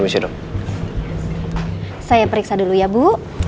saya periksa dulu ya bu